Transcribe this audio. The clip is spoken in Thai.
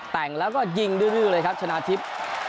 แต่งแล้วก็ยิงดื้อเลยครับชนะทิพย์